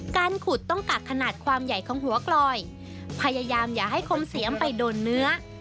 การขุดต้องกักขนาดความใหญ่ของหัวกลอยพยายามอย่าให้คมเสียมไปโดนเนื้อ